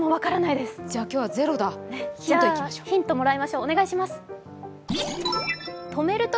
ではヒントもらいましょう、お願いします。